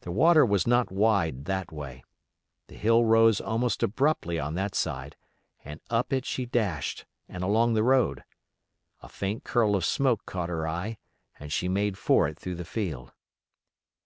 The water was not wide that way. The hill rose almost abruptly on that side, and up it she dashed, and along the road. A faint curl of smoke caught her eye and she made for it through the field.